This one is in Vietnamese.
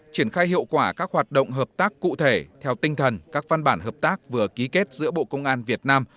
triển khai hiệu quả các hoạt động hợp tác cụ thể theo tinh thần các văn bản hợp tác vừa ký kết giữa bộ công an việt nam